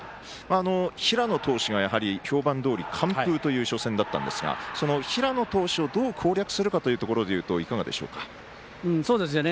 平野投手が、評判どおり完封という初戦だったんですがその平野投手をどう攻略するかというところでいうといかがでしょうか？